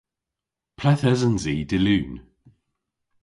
Ple'th esens i dy'Lun?